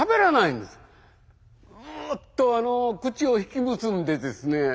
んっと口を引き結んでですね。